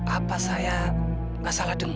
apa saya gak salah dong